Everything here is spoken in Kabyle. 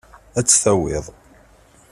Ad tt-tawiḍ.